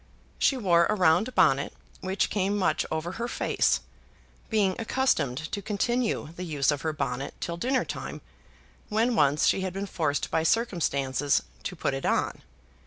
She wore a round bonnet which came much over her face, being accustomed to continue the use of her bonnet till dinner time when once she had been forced by circumstances to put it on.